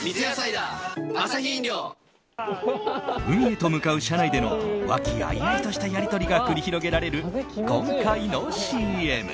海へと向かう車内での和気あいあいとしたやり取りが繰り広げられる今回のＣＭ。